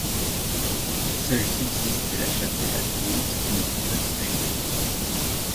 Seule subsiste la chapelle attenante qui ne fut pas touchée.